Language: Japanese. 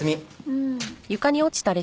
うん。